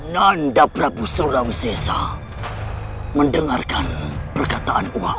nanda prabu suruh rauh sesa mendengarkan perkataan uang